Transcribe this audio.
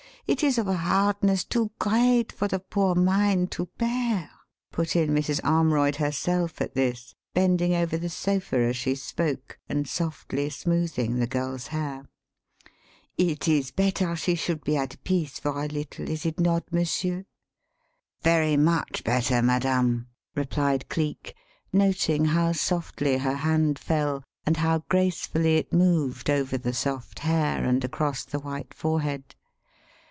It is of a hardness too great for the poor mind to bear," put in Mrs. Armroyd herself at this, bending over the sofa as she spoke and softly smoothing the girl's hair. "It is better she should be at peace for a little, is it not, monsieur?" "Very much better, madame," replied Cleek, noting how softly her hand fell, and how gracefully it moved over the soft hair and across the white forehead.